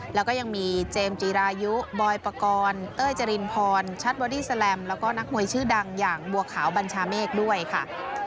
แล้วก็ยังมีเจมส์จีรายุบอยปกรณ์เต้ยจรินพรชัดบอดี้แลมแล้วก็นักมวยชื่อดังอย่างบัวขาวบัญชาเมฆด้วยค่ะ